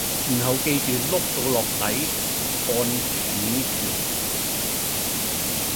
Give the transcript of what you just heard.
然後記住碌到落底按儲存